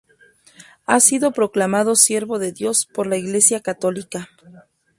Ha sido proclamado siervo de Dios por la Iglesia católica.